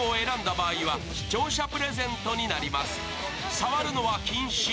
触るのは禁止。